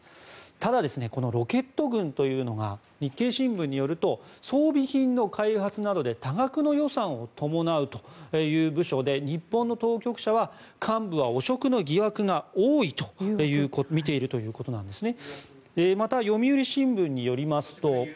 ただ、このロケット軍というのが日経新聞によると装備品の開発などで多額の予算を伴うという部署で日本の当局者は幹部は汚職の誘惑が多いとみているということなんですね。